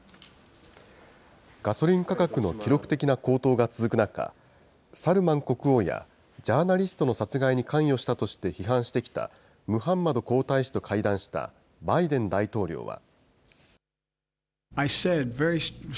ガソリン価格の記録的な高騰が続く中、サルマン国王やジャーナリストの殺害に関与したとして批判してきたムハンマド皇太子と会談したバイデン大統領は。